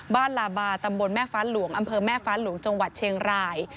ลาบาตำบลแม่ฟ้าหลวงอำเภอแม่ฟ้าหลวงจังหวัดเชียงราย